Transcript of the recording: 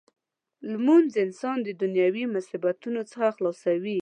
لمونځ انسان د دنیايي مصیبتونو څخه خلاصوي.